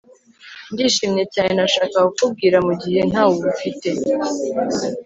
ndishimye cyane. nashakaga kukubwira mu gihe ntawe ubifite